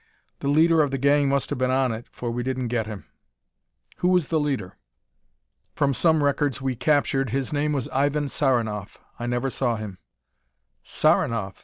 The leader of the gang must have been on it, for we didn't get him." "Who was the leader?" "From some records we captured, his name was Ivan Saranoff. I never saw him." "Saranoff?"